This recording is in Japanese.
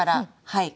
はい。